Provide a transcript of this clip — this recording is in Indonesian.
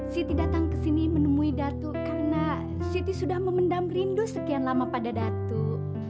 siti datang ke sini menemui datu karena siti sudah memendam rindu sekian lama pada datu